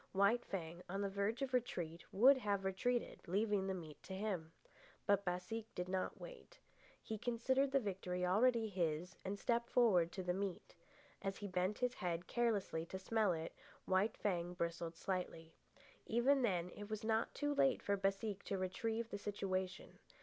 White Fang, on the verge of retreat, would have retreated, leaving the meat to him. But Baseek did not wait. He considered the victory already his and stepped forward to the meat. As he bent his head carelessly to smell it, White Fang bristled slightly. Even then it was not too late for Baseek to retrieve the situation.